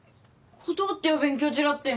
断ってよ「勉強中だ」って。